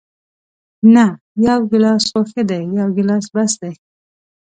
نه، یو ګیلاس خو ښه دی، یو ګیلاس بس دی.